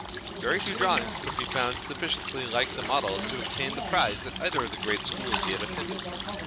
Very few drawings could be found sufficiently "like the model" to obtain the prize at either of the great schools he had attended.